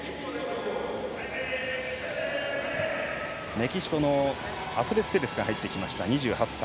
メキシコのアセベスペレスが入ってきました、２８歳。